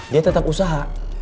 dia tetep usaha